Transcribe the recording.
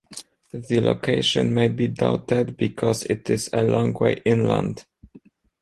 The location may be doubted because it is a long way inland.